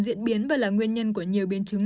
diễn biến và là nguyên nhân của nhiều biến chứng